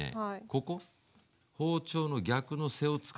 ここ包丁の逆の背を使って。